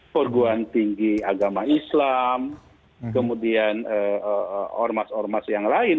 perguruan tinggi agama islam kemudian ormas ormas yang lain